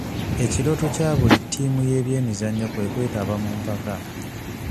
Ekirooto kya buli ttiimu y'ebyemizannyo kwe kwetaba mu mpaka.